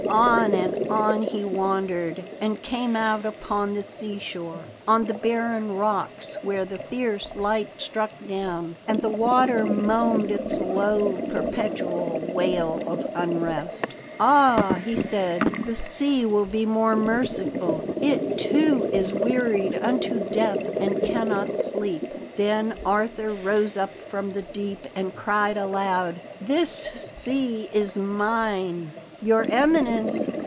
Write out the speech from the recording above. On and on he wandered, and came out upon the sea shore, on the barren rocks where the fierce light struck down, and the water moaned its low, perpetual wail of unrest. "Ah!" he said; "the sea will be more merciful; it, too, is wearied unto death and cannot sleep." Then Arthur rose up from the deep, and cried aloud: "This sea is mine!" "Your Eminence!